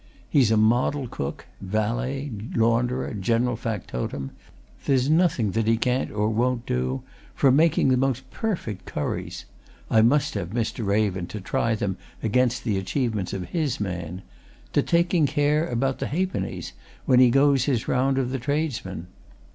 He's a model cook, valet, launderer, general factotum there's nothing that he can't or won't do, from making the most perfect curries I must have Mr. Raven to try them against the achievements of his man! to taking care about the halfpennies, when he goes his round of the tradesmen.